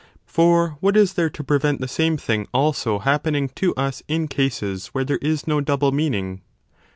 For what is there to prevent the same thing also happening to us in cases where there is no double meaning